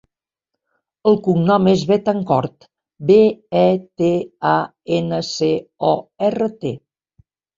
El cognom és Betancort: be, e, te, a, ena, ce, o, erra, te.